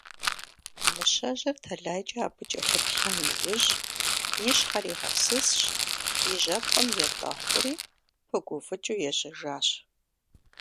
Мыщэжьыр тэлайкӀэ абы кӀэлъыплъа иужь, и щхьэр игъэсысщ, и жьэпкъым етӀэхъури пыгуфӀыкӀыу ежьэжащ.